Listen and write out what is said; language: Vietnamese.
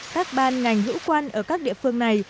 các ban ngành hữu quan ở các địa phương này